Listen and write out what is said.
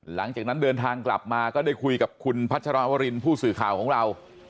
หลังจากนั้นเดินทางกลับมาก็ได้คุยกับคุณพัชรวรินผู้สื่อข่าวของเรา